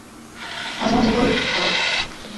মাঝে মাঝে করি, স্যার।